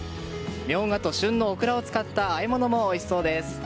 ミョウガと旬のオクラを使った和え物もよさそうです。